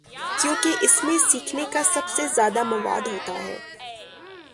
کیونکہ اس میں سیکھنے کا سب سے زیادہ مواد ہو تا ہے۔